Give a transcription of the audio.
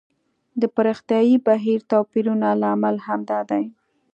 د پراختیايي بهیر توپیرونه لامل همدا دی.